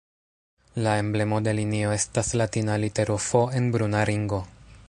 La emblemo de linio estas latina litero "F" en bruna ringo.